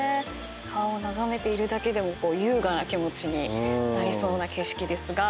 川を眺めているだけでも優雅な気持ちになりそうな景色ですが。